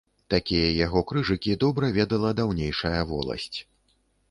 Такія яго крыжыкі добра ведала даўнейшая воласць.